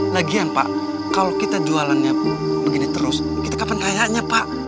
lagian pak kalau kita jualannya begini terus kita kapan kayaknya pak